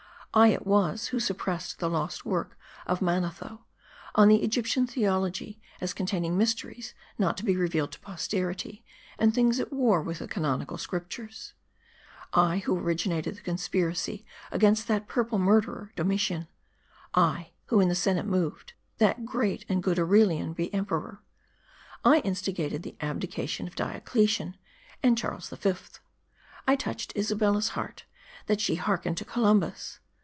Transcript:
I, it was, who suppressed the lost work of Manetho, on the Egyptian theology, as containing mysteries not to be revealed to posterity, and things at war with the canonical scriptures ; I, who originated the conspiracy against that purple murderer, Domitian ; I, who in the senate moved, that great and good Aurelian be emperor. I instigated the abdication of Diocletian, and Charles the Fifth ; I touched Isabella's heart, that she hearkened to Columbus.